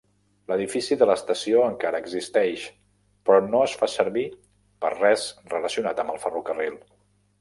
L'edifici de l'estació encara existeix, però no es fa servir per res relacionat amb el ferrocarril.